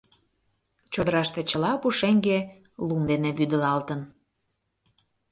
Чодыраште чыла пушеҥге лум дене вӱдылалтын.